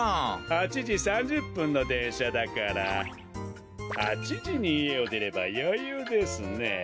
８じ３０ぷんのでんしゃだから８じにいえをでればよゆうですね。